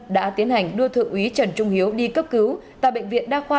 đã tiến hành đưa thượng úy trần trung hiếu đi cấp cứu tại bệnh viện đa khoa